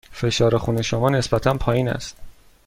فشار خون شما نسبتاً پایین است.